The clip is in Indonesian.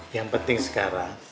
yang penting sekarang